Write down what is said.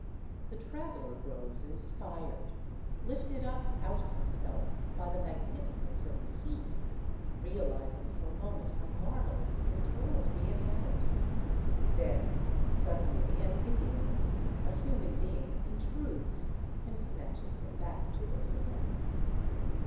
The traveler grows " inspired,'' lifted up out of himself by the mag nificence of the scene, realizing for a moment how marvelous is this world we inhabit; then suddenly an Indian, a human being, intrudes, and snatches him back to earth again.